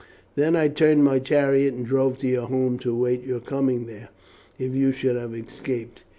Then I turned my chariot and drove to your home to await your coming there if you should have escaped.